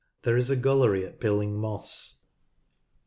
There is a gullery at Pilling Moss. (p.